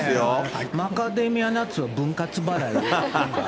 マカデミアナッツは分割払いとか。